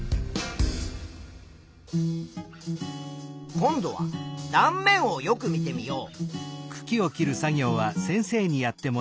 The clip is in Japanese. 今度は断面をよく見てみよう。